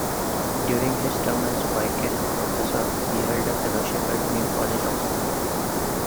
During his term as Wykeham Professor, he held a Fellowship at New College, Oxford.